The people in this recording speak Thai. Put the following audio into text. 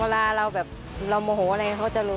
เวลาเราแบบเราโมโหอะไรเขาจะรู้